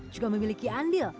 juga memiliki andil